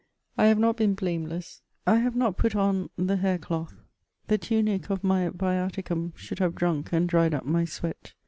I have not been blameless ; I have not put on the hair cloth ; the tunic of my viaticum should have drunk and dried up my sweat.